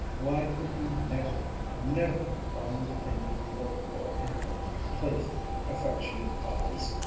Why could he never, never find the thing he looked for in her playful, affectionate eyes?